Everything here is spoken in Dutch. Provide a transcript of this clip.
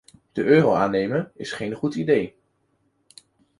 De euro aannemen is geen goed idee.